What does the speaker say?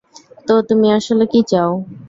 তো তুমি আসলে কি চাও?